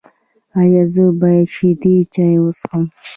ایا زه باید شیدې چای وڅښم؟